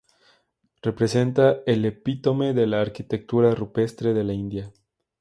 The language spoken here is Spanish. Representa el epítome de la arquitectura rupestre de la India.